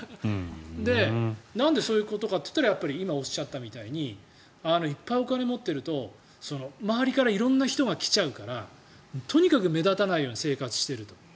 なんでそういうことかといったら今おっしゃったみたいにいっぱいお金を持っていると周りから色んな人が来ちゃうからとにかく目立たないように生活していると。